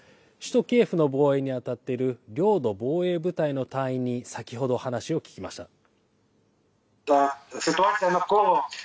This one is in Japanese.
首都キエフの防衛に当たっている領土防衛部隊の隊員に先ほど話を聞きました。